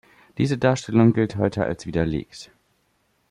Diese Darstellung gilt heute als widerlegt.